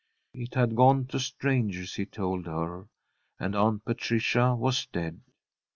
It had gone to strangers, he told her, and Aunt Patricia was dead.